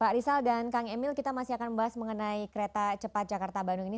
pak rizal dan kang emil kita masih akan membahas mengenai kereta cepat jakarta bandung ini